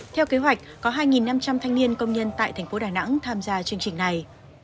theo kế hoạch có hai năm trăm linh thanh niên công nhân tại thành phố đà nẵng tham gia chương trình này